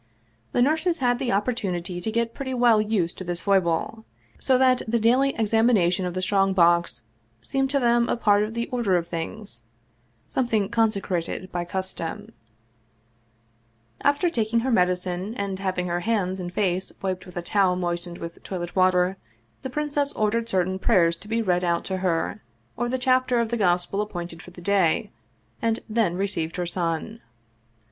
The nurses had had the opportunity to get pretty well used to this foible; so that the daily examination of the strong box seemed to them a part of the order of things, something consecrated by custom. 199 Russian Mystery Stories After taking her medicine, and having her hands and face wiped with a towel moistened with toilet water, the princess ordered certain prayers to be read out to her, or the chapter of the Gospel appointed for the day, and then received her son.